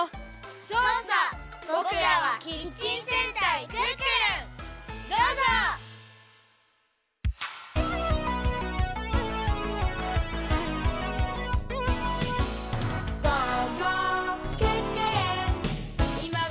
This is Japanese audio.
「そうさボクらはキッチン戦隊クックルン」どうぞ！「」「」イエイ！やぁ！